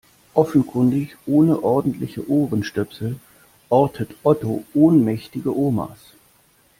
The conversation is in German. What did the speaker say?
Offenkundig ohne ordentliche Ohrenstöpsel ortet Otto ohnmächtige Omas.